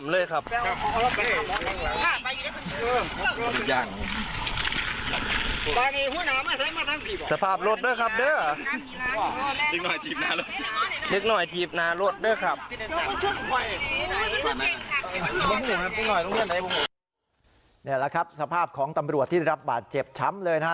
นี่แหละครับสภาพของตำรวจที่ได้รับบาดเจ็บช้ำเลยนะฮะ